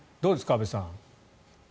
安部さん。